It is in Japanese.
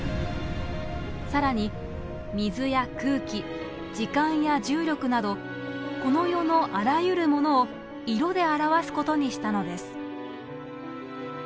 更に水や空気時間や重力などこの世のあらゆるものを色で表すことにしたのです。